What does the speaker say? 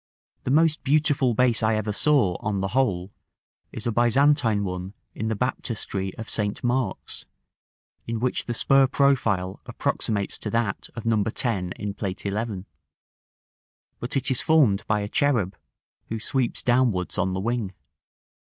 The most beautiful base I ever saw, on the whole, is a Byzantine one in the Baptistery of St. Mark's, in which the spur profile approximates to that of No. 10 in Plate XI.; but it is formed by a cherub, who sweeps downwards on the wing.